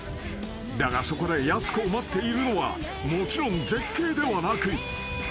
［だがそこでやす子を待っているのはもちろん絶景ではなく］